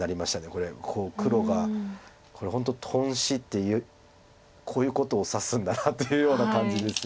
これ黒が本当頓死ってこういうことを指すんだなっていうような感じです。